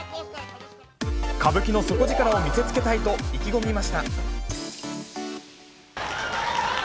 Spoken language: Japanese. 歌舞伎の底力を見せつけたいと、意気込みました。